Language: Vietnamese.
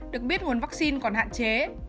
được biết nguồn vaccine còn hạn chế